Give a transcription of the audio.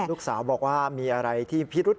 ลูกสาวบอกว่ามีอะไรที่พิรุษ